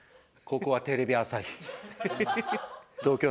ここはテレビ朝日。